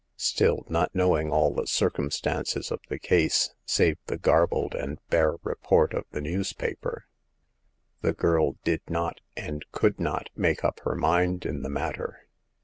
Still, not knowing all the circumstances of the case — save the garbled and bare report in the newspaper— The Eighth Customer. 209 the girl did not, and could not, make up her mind in the matter.